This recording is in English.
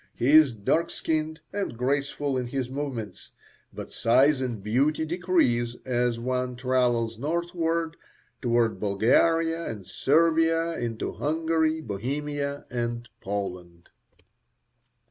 He is dark skinned, and graceful in his movements. But size and beauty decrease as one travels northward through Bulgaria and Servia into Hungary, Bohemia, and Poland.